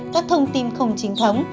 các thông tin không chính thống